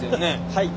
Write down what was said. はい。